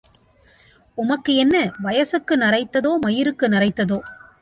உமக்கு என்ன, வயசுக்கு நரைத்ததோ, மயிருக்கு நரைத்ததோ?